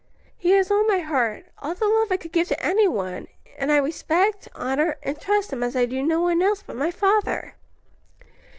"He has all my heart, all the love I could give to any one, and I respect, honor, and trust him as I do no one else but my father."